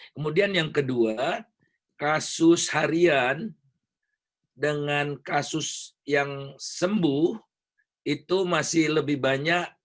kemudian yang kedua kasus harian dengan kasus yang sembuh itu masih lebih banyak